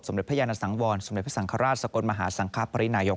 เด็จพระยานสังวรสมเด็จพระสังฆราชสกลมหาสังคปรินายก